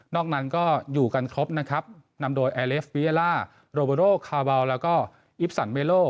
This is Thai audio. นั้นก็อยู่กันครบนะครับนำโดยแอร์เลฟิยาล่าโรโบโรคคาวาวแล้วก็อิปสันเมโล